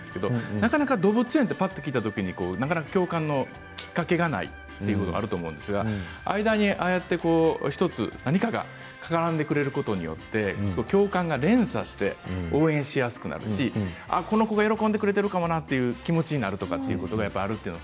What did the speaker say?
なかなか動物園と聞いたときに共感のきっかけがないということがあると思うんですが間に１つ何かが絡んでくれることによって共感が連鎖して応援しやすくなるしこの子が喜んでくれるかも？という気持ちになるということがあると思う。